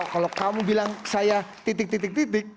kalau kamu bilang saya titik titik titik